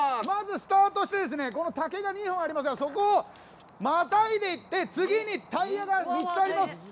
まずスタートして竹が２本ありますがそこを、またいでいって次にタイヤが３つあります。